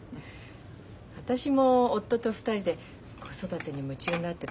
私も夫と２人で子育てに夢中になってた時代